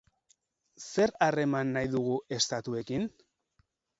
Zer harreman nahi dugu estatuekin?